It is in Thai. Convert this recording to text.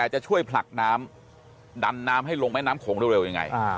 จะช่วยผลักน้ำดันน้ำให้ลงแม่น้ำโขงเร็วยังไง